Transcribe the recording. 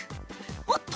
おっと！